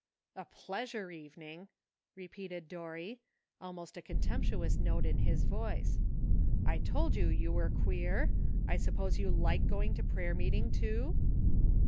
''A pleasure evening! " repeated Dorry, al most a contemptuous note in his voice; ''I told you you were queer. I suppose you like to go to prayer meeting, too